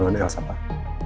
dengan elsa pak